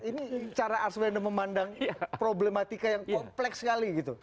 ini cara arswendo memandang problematika yang kompleks sekali gitu